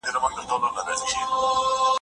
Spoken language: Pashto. ببۍ کره تګ ډېر اړین دی.